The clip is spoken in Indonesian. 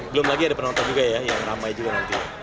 belum lagi ada penonton juga ya yang ramai juga nanti